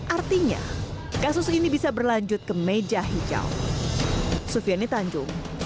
artinya kasus ini bisa berlanjut ke meja hijau